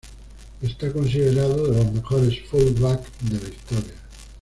Está considerado de los mejores "fullback" de la historia.